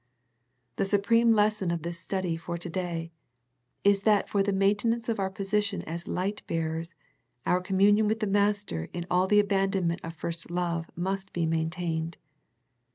The supreme lesson of this study for to day is that for the maintenance of our position as light bearers our communion with the Master in all the abandonment of first love must be maintained.